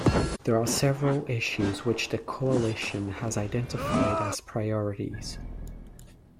There are several issues which the Coalition has identified as priorities.